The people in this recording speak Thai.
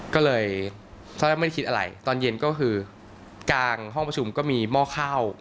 ก็เลยตอนเย็นก็คือตอนกลางพืชก็มีหม้อข้าว